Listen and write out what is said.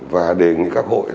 và đề nghị các hội